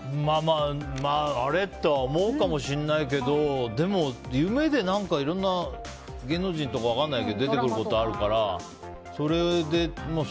あれ？とは思うかもしれないけど夢で芸能人とか分からないけど出てくることがあるから。